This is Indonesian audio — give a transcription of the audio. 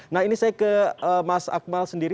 nah ini saya ke mas akmal sendiri